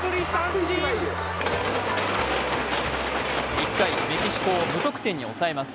１回、メキシコを無得点に抑えます。